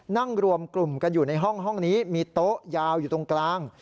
นั่งรวมกลุ่มกันอยู่ในห้องนี้มีโต๊ะยาวอยู่ตรงกลาง